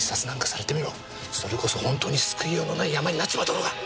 それこそ本当に救いようのないヤマになっちまうだろうが。